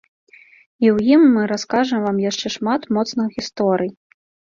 І ў ім мы раскажам вам яшчэ шмат моцных гісторый!